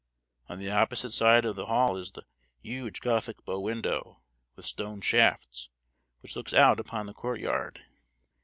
On the opposite side of the hall is the huge Gothic bow window, with stone shafts, which looks out upon the courtyard.